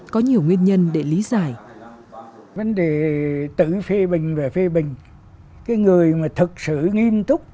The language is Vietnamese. có nhiều nguyên nhân để lý giải